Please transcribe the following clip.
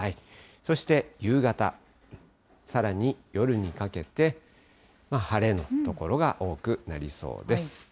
そして夕方、さらに夜にかけて、晴れの所が多くなりそうです。